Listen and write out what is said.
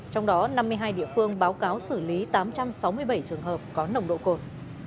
trong đó năm mươi hai địa phương báo cáo xử lý tám trăm sáu mươi bảy trường hợp có nồng độ cồn